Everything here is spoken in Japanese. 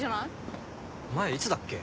前いつだっけ？